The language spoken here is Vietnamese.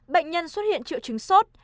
bệnh nhân xuất hiện triệu chứng sốt